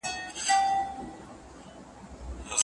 لارښود د شاګردانو سره په هره برخه کي همغږی دی.